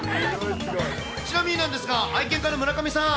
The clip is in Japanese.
ちなみになんですが、愛犬家の村上さん。